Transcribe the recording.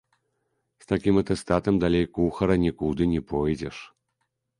З такім атэстатам далей кухара нікуды не пойдзеш.